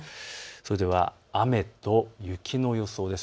それでは雨と雪の予想です。